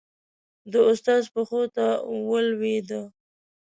د استاد پښو ته ولوېده.